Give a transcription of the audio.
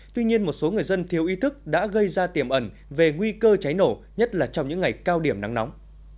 tuy nhiên một số người dân thiếu ý thức đã gây ra tiềm ẩn về nguy cơ cháy nổ nhất là trong những ngày cao điểm nắng nóng